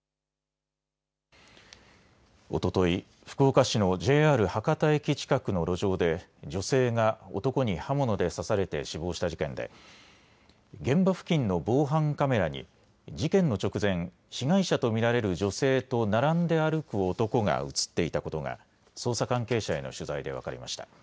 おととい福岡市のＪＲ博多駅近くの路上で女性が男に刃物で刺されて死亡した事件で現場付近の防犯カメラに事件の直前、被害者と見られる女性と並んで歩く男が写っていたことが捜査関係者への取材で分かりました。